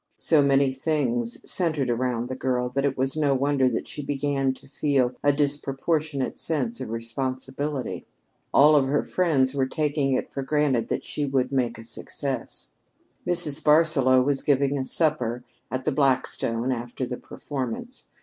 So many things centered around the girl that it was no wonder that she began to feel a disproportionate sense of responsibility. All of her friends were taking it for granted that she would make a success. Mrs. Barsaloux was giving a supper at the Blackstone after the performance.